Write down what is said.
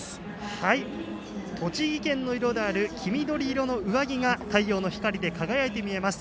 栃木県の色である黄緑色の上着が太陽の光で輝いて見えます。